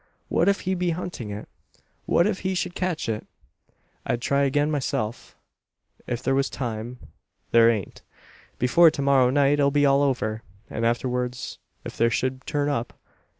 What if he be hunting it? What if he should catch it? "I'd try again myself, if there was time. There ain't. Before to morrow night it'll be all over; and afterwards if there should turn up